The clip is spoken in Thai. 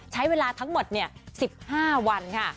ใช้เวลาทั้งหมด๑๕วันค่ะ